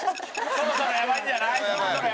そろそろやばいんじゃない？